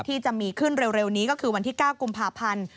ที่จะมีขึ้นเร็วนี้ก็คือวันที่๙กุมภาพันธ์